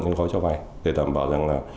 những gói cho vay để đảm bảo rằng là